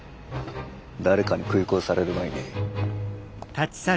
誰かに食い殺される前に。